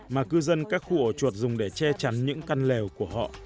mà cư dân các khu ổ chuột dùng để che chắn những căn lều của họ